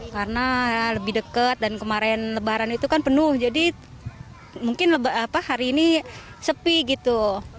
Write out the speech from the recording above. karena lebih dekat dan kemarin lebaran itu kan penuh jadi mungkin hari ini sepi gitu